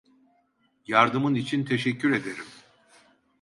Yardımın için teşekkür ederim.